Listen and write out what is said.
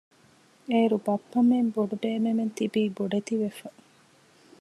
އޭރު ބައްޕަމެން ބޮޑުބޭބެމެން ތިބީ ބޮޑެތި ވެފަ